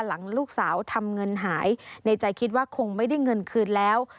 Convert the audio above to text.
หลังลูกสาวทำเงินหายในใจคิดว่าคงไม่ได้เงินคืนแล้ว